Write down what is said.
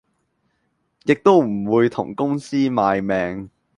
亦都唔會同公司賣命